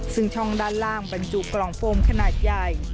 ซึ่งช่องด้านล่างบรรจุกล่องโฟมขนาดใหญ่